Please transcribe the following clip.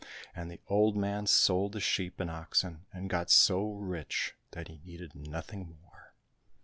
And the old man sold the sheep and oxen and got so rich that he needed nothing more.